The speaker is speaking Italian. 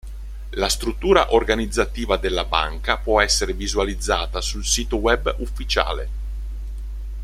La struttura organizzativa della banca può essere visualizzata sul sito web ufficiale.